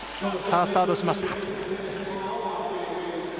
スタートしました。